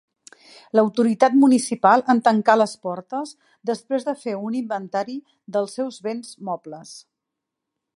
L'autoritat municipal en tancà les portes, després de fer un inventari dels seus béns mobles.